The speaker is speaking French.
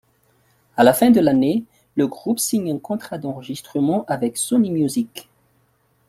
À la fin de l'année, le groupe signe un contrat d'enregistrement avec Sony Music.